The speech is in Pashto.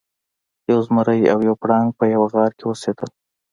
یو زمری او یو پړانګ په یوه غار کې اوسیدل.